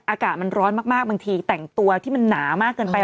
อากาศมันร้อนมากบางทีแต่งตัวที่มันหนามากเกินไป